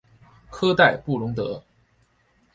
科代布龙德。